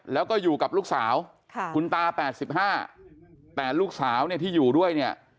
แล้วก็อยู่กับลูกสาวคุณตา๘๕แต่ลูกสาวเนี่ยที่อยู่ด้วยเนี่ย